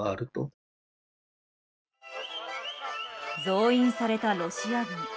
増員されたロシア軍。